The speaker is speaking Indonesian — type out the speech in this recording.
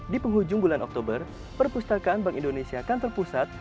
di penghujung bulan oktober perpustakaan bank indonesia kantor pusat